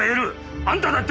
あんただって！